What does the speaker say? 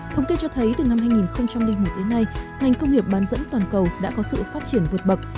thống kê cho thấy từ năm hai nghìn một đến nay ngành công nghiệp bán dẫn toàn cầu đã có sự phát triển vượt bậc